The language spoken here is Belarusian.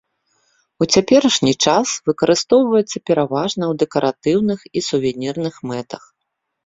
У цяперашні час выкарыстоўваецца пераважна ў дэкаратыўных і сувенірных мэтах.